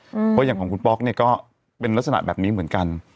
เพราะอย่างของคุณป๊อกเนี่ยก็เป็นลักษณะแบบนี้เหมือนกัน